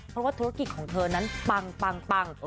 เพราะว่าธุรกิจของเธอนั้นปัง